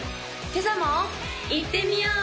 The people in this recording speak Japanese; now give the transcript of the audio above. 今朝もいってみよう！